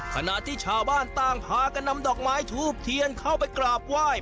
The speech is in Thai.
ขณะที่ชาวบ้านต่างพากันนำดอกไม้ทูบเทียนเข้าไปกราบไหว้